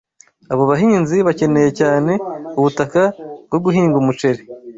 Abo bahinzi bakeneye cyane ubutaka bwo guhinga umuceri.